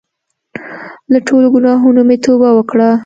له ټولو ګناهونو مې توبه وکړه.